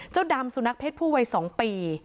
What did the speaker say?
ดำสุนัขเพศผู้วัย๒ปี